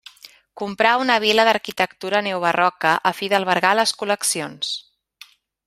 Comprà una vil·la d'arquitectura neobarroca a fi d'albergar les col·leccions.